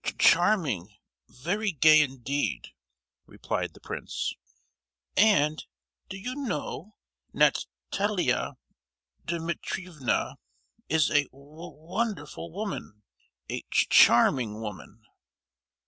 ch—charming—very gay indeed!" replied the prince, "and, do you know, Nat—alia Dimitrievna is a wo—wonderful woman, a ch—charming woman!"